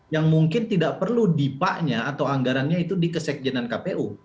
yang mungkin tidak perlu dipanya atau anggarannya itu di kesekjenan kpu